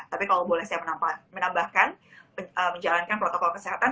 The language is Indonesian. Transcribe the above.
tapi kalau boleh saya menambahkan menjalankan protokol kesehatan